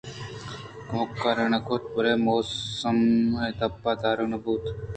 کمِارےنہ کُت بلئے مومس ءِ دپ دارگ نہ بوت